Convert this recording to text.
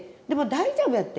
大丈夫や」って。